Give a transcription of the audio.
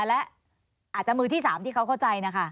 และอาจจะมือที่๓ที่เขาเข้าใจนะคะ